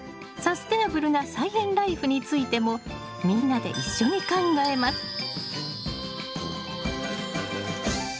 サステナブルな菜園ライフについてもみんなで一緒に考えます。